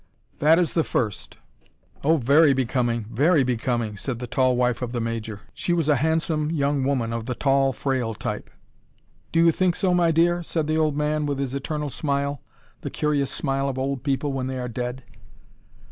"That is the first and very becoming," said Lady Franks. "Oh, very becoming! Very becoming!" said the tall wife of the Major she was a handsome young woman of the tall, frail type. "Do you think so, my dear?" said the old man, with his eternal smile: the curious smile of old people when they are dead.